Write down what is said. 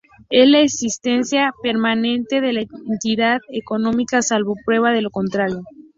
Es la existencia permanente de la entidad económica salvo prueba de lo contrario.